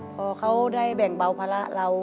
พอเขาได้แบ่งเบาภาระเรา